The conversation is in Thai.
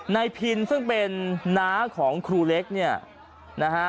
พินซึ่งเป็นน้าของครูเล็กเนี่ยนะฮะ